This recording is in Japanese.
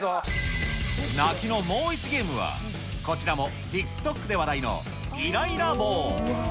泣きのもう１ゲームは、こちらもＴｉｋＴｏｋで話題のイライラ棒。